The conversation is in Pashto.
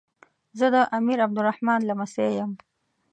زه د امیر عبدالرحمان لمسی یم.